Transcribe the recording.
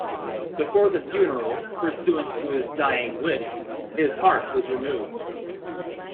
Before the funeral, pursuant to his dying wish, his heart was removed.